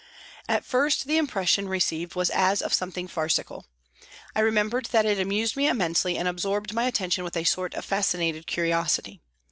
At first, the impression received was as of something farcical. I remember that it amused me immensely and absorbed my attention with a sort of fascinated curiosity.